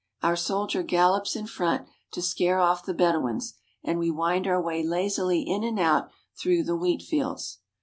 Our soldier gallops in front to scare off the Bed ouins and we wind our way lazily in and out through the wheat fields.